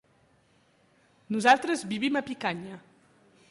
Nosaltres vivim a Picanya.